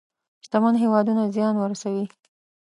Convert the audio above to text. شتمن هېوادونه زيان ورسوي.